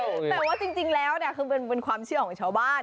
แต่ว่าจริงแล้วเนี่ยคือเป็นความเชื่อของชาวบ้าน